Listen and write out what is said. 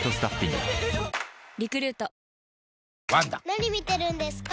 ・何見てるんですか？